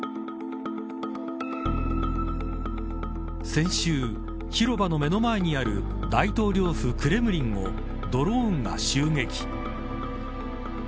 先週、広場の目の前にある大統領府クレムリンをドローンが襲撃。